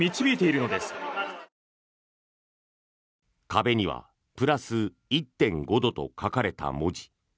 壁にはプラス１．５度と書かれた文字。